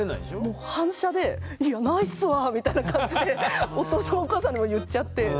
もう反射で「いやないっすわあ」みたいな感じでお父さんお母さんの前で言っちゃってもう目の前で。